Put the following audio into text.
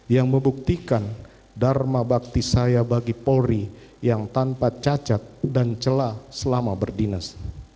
yang membuktikan dharma bakti saya bagi polri yang tanpa cacat dan celah selama berdinas